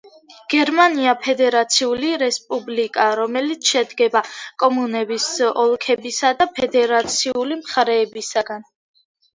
გერმანია ფედერაციული რესპუბლიკაა, რომელიც შედგება კომუნების, ოლქებისა და ფედერაციული მხარეებისგან.